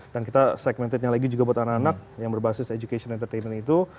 dan kita segmentednya lagi juga buat anak anak yang berbasis education entertainment itu